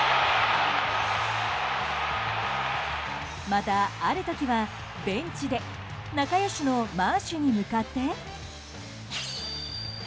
またある時はベンチで仲良しのマーシュに向かって。